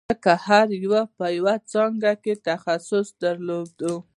ځکه هر یوه په یوه څانګه کې تخصص درلود